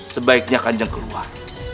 sebaiknya kanjeng keluar